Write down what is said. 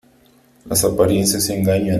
Las apariencias engañan.